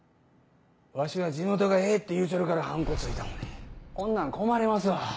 わしは地元がええって言うちょるからハンコついたのにこんなん困りますわ。